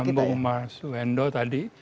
ya menyambung mas wendo tadi